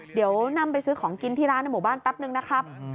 เดี๋ยวนำไปซื้อของกินที่ร้านในหมู่บ้านแป๊บนึงนะครับ